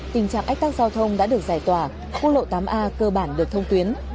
tình trạng ách tắc giao thông đã được giải tỏa quốc lộ tám a cơ bản được thông tuyến